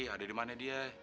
ada dimana dia